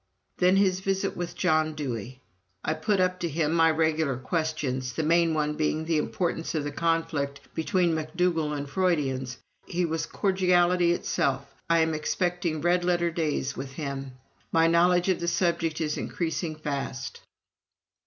Then his visit with John Dewey. "I put up to him my regular questions the main one being the importance of the conflict between MacDougall and the Freudians. ... He was cordiality itself. I am expecting red letter days with him. My knowledge of the subject is increasing fast."